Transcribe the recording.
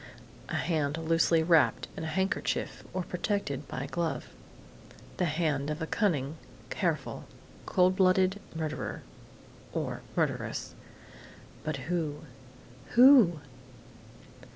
A hand loosely wrapped in a handkerchief or protected by a glove.... The hand of a cunning, careful, cold blooded murderer or murderess.... But who? _Who?